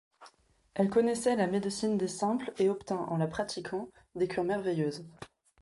Elle connaissait la médecine des simples et obtint, en la pratiquant, des cures merveilleuses.